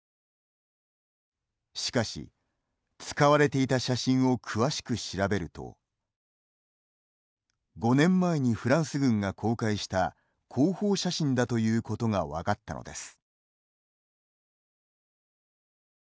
しかし、使われていた写真を詳しく調べると５年前にフランス軍が公開した広報写真だということが分かったのです。